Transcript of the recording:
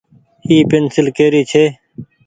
اي پينسيل ڪي ري ڇي۔